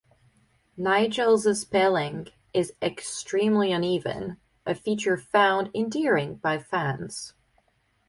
Nigel's spelling is extremely uneven, a feature found endearing by fans.